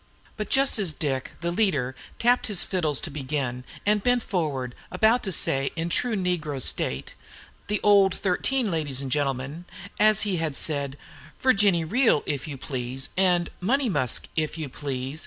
But just as Dick, the leader, tapped for his fiddles to begin, and bent forward, about to say, in true negro state, "'The Old Thirteen,' gentlemen and ladies!" as he had said "'Virginny Reel,' if you please!" and "'Money Musk,' if you please!"